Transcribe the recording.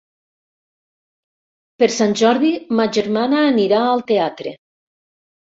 Per Sant Jordi ma germana anirà al teatre.